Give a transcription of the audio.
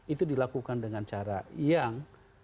itu dilakukan dengan cara yang